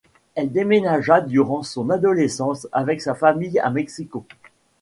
Elle déménagea durant son adolescence avec sa famille à Mexico.